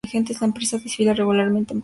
La empresa desfila regularmente en pasarelas.